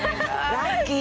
ラッキー。